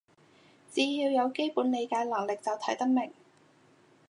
只要有基本理解能力就睇得明